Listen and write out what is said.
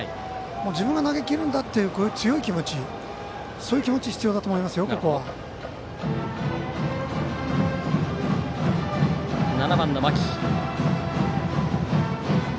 自分が投げきるんだという強い気持ちそういう気持ちが必要だと７番、牧。